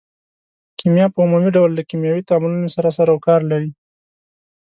کیمیا په عمومي ډول له کیمیاوي تعاملونو سره سرو کار لري.